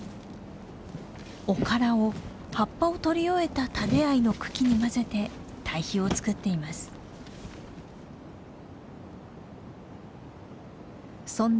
おからを葉っぱをとり終えたタデアイの茎にまぜて堆肥を作っています。